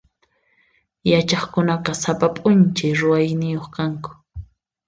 Yachaqkunaqa sapa p'unchay ruwayniyuq kanku.